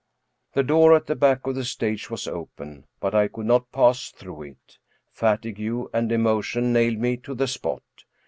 The door at the back of the stage was open, but I could not pass through it ; fatigue and emotion nailed me to the spot.